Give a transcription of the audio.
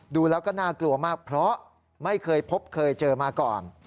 ดูแล้วก็น่ากลัวมากเพราะไม่เคยพบเคยเจอมาก่อน